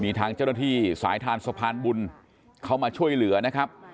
มีทางเจ้าหน้าที่สายทานสะพานบุญเข้ามาช่วยเหลือนะครับ